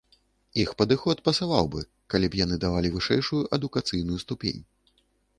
Іх падыход пасаваў бы, калі б яны давалі вышэйшую адукацыйную ступень.